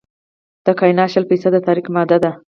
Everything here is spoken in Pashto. د کائنات شل فیصده تاریک ماده ده.